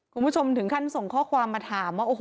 คุณผู้ชมถึงขั้นส่งข้อความมาถามว่าโอ้โห